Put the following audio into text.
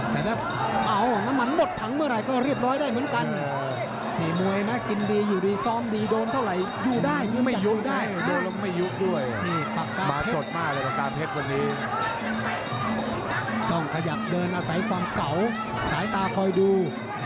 การยาวยาวไปก่อนหมดถังเมื่อไหร่ก็เรียบร้อยได้เหมือนกันนี่มวยนะกินดีอยู่ดีซ่อมดีโดนเท่าไหร่อยู่ได้ที่ไม่ยุ่งได้โดนมัยยุ่คด้วยนี่ปากกาเผ็ดมาสดมากตามเผ็ดวันนี้ต้องขยับเดินอาศัยความเก่าสายตาคอยดู